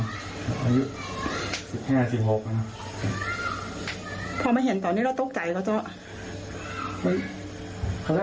อายุสิบห้าสิบหกนะพอไม่เห็นตอนนี้เราตกใจก็จะ